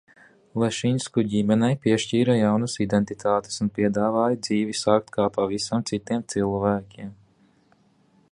Lešinsku ģimenei piešķīra jaunas identitātes un piedāvāja dzīvi sākt kā pavisam citiem cilvēkiem.